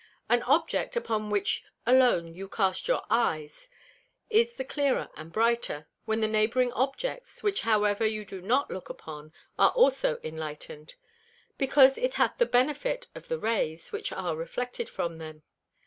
An Object upon which alone you cast your Eyes is the clearer and brighter, when the neighbouring Objects, which however you do not look upon, are also enlighten'd; because it hath the Benefit of the Rays, which are reflected from them.